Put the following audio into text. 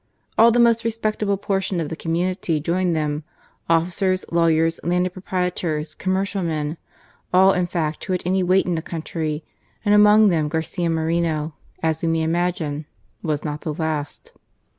All the most respectable portion of the community joined them; officers, lawyers, landed proprietors, com mercial men — all in fact who had any weight in the country, and among them Garcia Moreno, as we may imagine, was not the last.